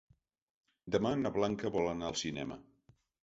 Demà na Blanca vol anar al cinema.